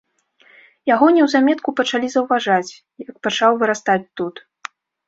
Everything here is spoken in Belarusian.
Яго неўзаметку пачалі заўважаць, як пачаў вырастаць тут.